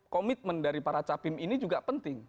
komitmen dari para capim ini juga penting